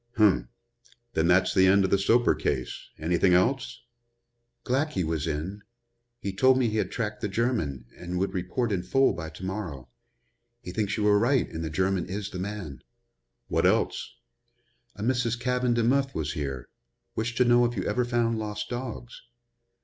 "Um! Then that's the end of the Soper case. Anything else?" "Glackey was in. He told me he had tracked the German and would report in full by to morrow. He thinks you were right and the German is the man." "What else?" "A Mrs. Caven Demuth was here. Wished to know if you ever found lost dogs."